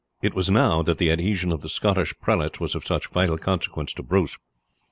It was now that the adhesion of the Scottish prelates was of such vital consequence to Bruce.